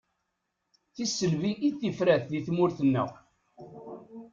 Tisselbi i d tifrat di tmurt-nneɣ.